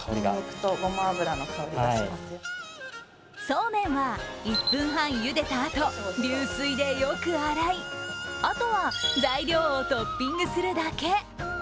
そうめんは、１分半ゆでたあと、流水でよく洗い、あとは材料をトッピングするだけ。